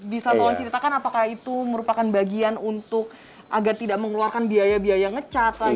bisa tolong ceritakan apakah itu merupakan bagian untuk agar tidak mengeluarkan biaya biaya ngecat lagi